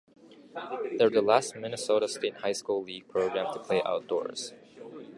They were the last Minnesota State High School League program to play outdoors.